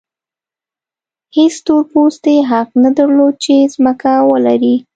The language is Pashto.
هېڅ تور پوستي حق نه درلود چې ځمکه ولري.